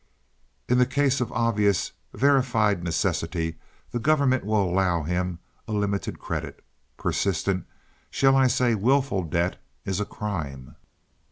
"In the case of obvious, verified necessity, the government will allow him a limited credit. Persistent shall I say willful debt is a crime."